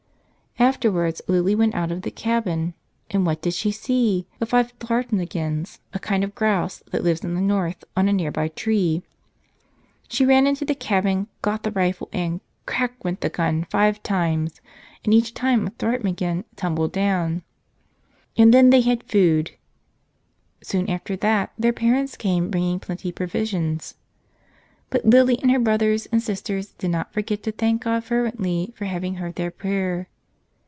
Afterwards Lily went out of the cabin ; and what did she see but five ptarmigans, a kind of grouse that lives in the north, on a nearby tree. She ran into the cabin, got the rifle — and "crack" went the gun five times and 146 " God Put Them There for Us to Have! each time a ptarmigan tumbled down. And then they had food. Soon after that their parents came bringing plenty provisions. But Lily and her brothers and sisters did not forget to thank God fervently for having heard their prayer.